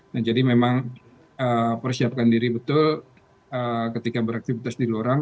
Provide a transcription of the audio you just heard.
nah jadi memang persiapkan diri betul ketika beraktivitas di luar